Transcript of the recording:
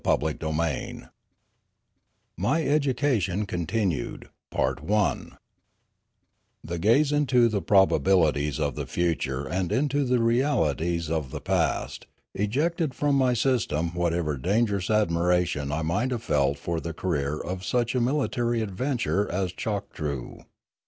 CHAPTER XVII MY EDUCATION CONTINUED THE gaze into the probabilities of the future and into the realities of the past ejected from my sys tem whatever of dangerous admiration I might have felt for the career of such a military adventurer as Choktroo.